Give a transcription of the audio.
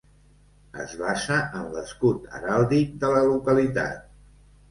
Es basa en l'escut heràldic de la localitat.